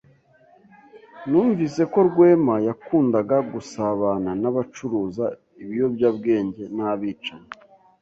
Numvise ko Rwema yakundaga gusabana n'abacuruza ibiyobyabwenge n'abicanyi.